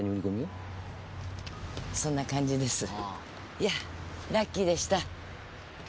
いやラッキーでした。